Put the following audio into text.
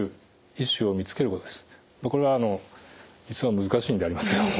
これは実は難しいんでありますけども。